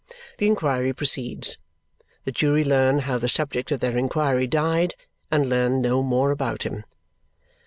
The inquiry proceeds. The jury learn how the subject of their inquiry died, and learn no more about him.